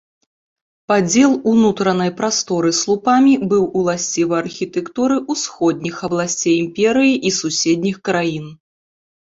Падзел унутранай прасторы слупамі быў уласцівы архітэктуры ўсходніх абласцей імперыі і суседніх краін.